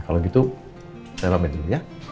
kalau gitu saya rame dulu ya